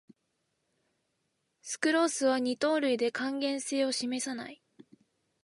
スクロースは二糖類で還元性を示さない